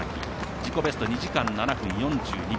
自己ベスト２時間７分４７秒。